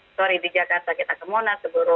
sorry di jakarta kita ke monas keburu